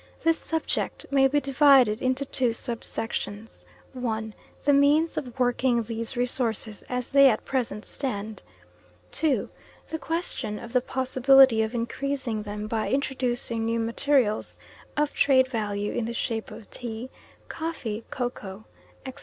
This subject may be divided into two sub sections (1) The means of working these resources as they at present stand; (2) The question of the possibility of increasing them by introducing new materials of trade value in the shape of tea, coffee, cocoa, etc.